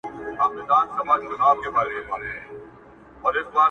تر څنګ ولاړ دي او تشویقوي يي